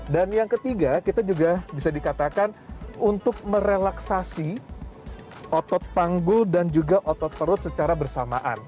dan yang ketiga kita juga bisa dikatakan untuk merelaksasi otot panggul dan juga otot perut secara bersamaan